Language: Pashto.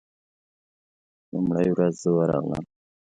لومړۍ ورځ زه ورغلم.